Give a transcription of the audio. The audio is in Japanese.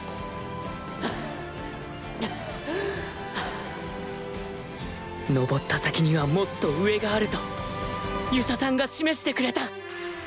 はぁはぁはぁはぁ登った先にはもっと上があると遊佐さんが示してくれた！